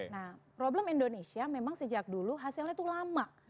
nah problem indonesia memang sejak dulu hasilnya itu lama